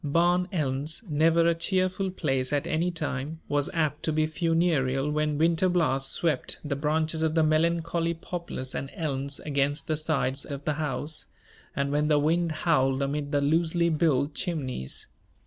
Barn Elms, never a cheerful place at any time, was apt to be funereal when winter blasts swept the branches of the melancholy poplars and elms against the sides of the house, and when the wind howled amid the loosely built chimneys.